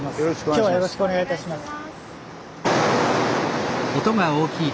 今日はよろしくお願いいたします。